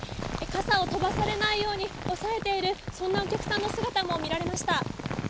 傘を飛ばされないように押さえているお客さんの姿も見られました。